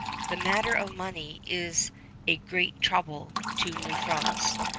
The matter of money is a great trouble to New France.